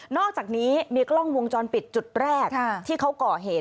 อกจากนี้มีกล้องวงจรปิดจุดแรกที่เขาก่อเหตุ